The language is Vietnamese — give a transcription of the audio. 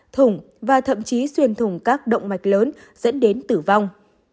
thùng và thậm chí xuyên thủng các động mạch lớn dẫn đến tử vong